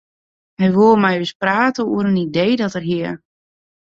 Hy woe mei ús prate oer in idee dat er hie.